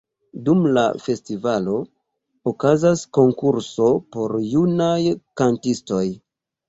Dum la festivalo okazas konkurso por junaj kantistoj.